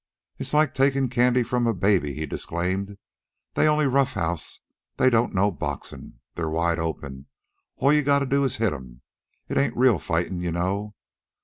"It's like takin' candy from a baby," he disclaimed. "They only rough house. They don't know boxin'. They're wide open, an' all you gotta do is hit 'em. It ain't real fightin', you know."